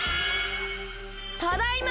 ただいま！